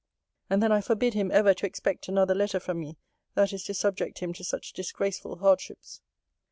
And then I forbid him ever to expect another letter from me that is to subject him to such disgraceful hardships.